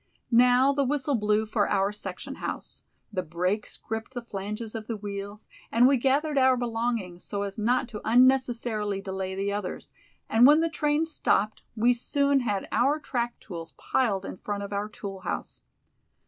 Now the whistle blew for our section house; the brakes gripped the flanges of the wheels, and we gathered our belongings so as not to unnecessarily delay the others, and when the train stopped we soon had our track tools piled in front of our tool house.